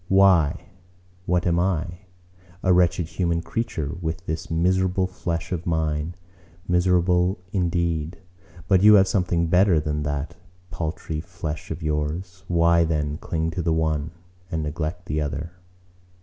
Why, what am I?—A wretched human creature; with this miserable flesh of mine. Miserable indeed! but you have something better than that paltry flesh of yours. Why then cling to the one, and neglect the other?